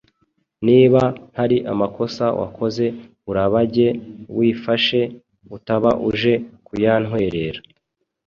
Niba hari amakosa wakoze urabage wifashe utaba uje kuyantwerera